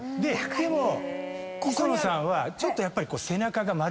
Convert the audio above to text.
でも磯野さんはちょっとやっぱり。